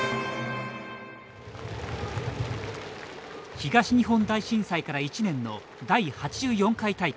東日本大震災から１年の第８４回大会。